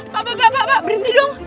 pak pak pak pak berhenti dong